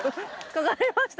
かかりました？